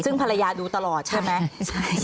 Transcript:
ซึ่งภรรยาดูตลอดใช่ไหม